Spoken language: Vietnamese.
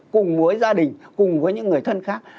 cùng với gia đình cùng với những người thân khác